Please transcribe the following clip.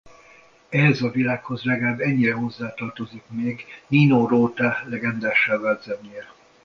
Ehhez a világhoz legalább ennyire hozzátartozik még Nino Rota legendássá vált zenéje.